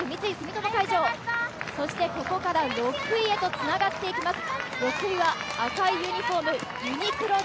ここから６位へとつながっていきます。